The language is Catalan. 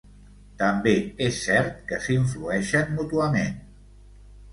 També és cert que s'influeixen mútuament.